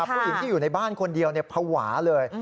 ผู้หญิงที่อยู่ในบ้านคนเดียวภาวะเลย